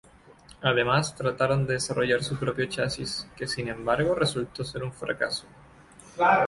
Además, trataron de desarrollar su propio chasis, que, sin embargo, resultó ser un fracaso.